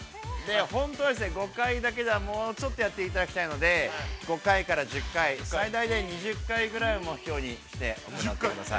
本当は、５回だけでは、もうちょっと、やっていただきたいので、５回から１０回、最大で２０回ぐらいを目標にしてやってみてください。